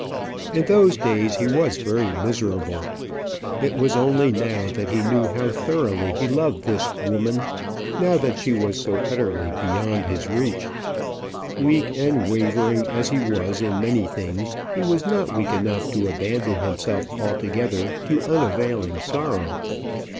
In those days he was very miserable. It was only now that he knew how thoroughly he loved this woman now that she was so utterly beyond his reach. Weak and wavering as he was in many things, he was not weak enough to abandon himself altogether to unavailing sorrow.